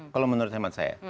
kalau menurut teman saya